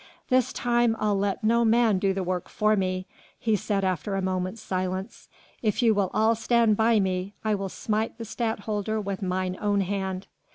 "This time I'll let no man do the work for me," he said after a moment's silence, "if you will all stand by me, I will smite the Stadtholder with mine own hand."